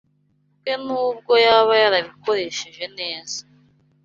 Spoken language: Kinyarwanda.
bwe nubwo yaba yarabikoresheje neza